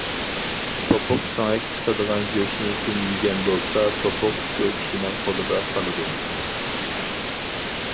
توپۇق سۆڭەك چىقىدىغان گۆشنى كىم يېگەن بولسا توپۇق شۇ كىشىنىڭ قولىدا قالىدۇ.